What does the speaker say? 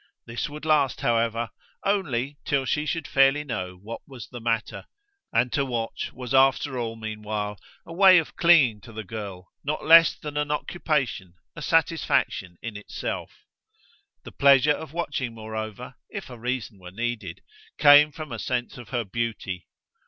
This would last, however, only till she should fairly know what was the matter; and to watch was after all, meanwhile, a way of clinging to the girl, not less than an occupation, a satisfaction in itself. The pleasure of watching moreover, if a reason were needed, came from a sense of her beauty.